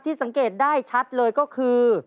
สังเกตได้ชัดเลยก็คือ